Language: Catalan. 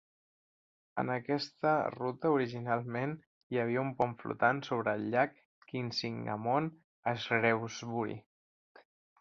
En aquesta ruta originalment hi havia un pont flotant sobre el llac Quinsigamond a Shrewsbury.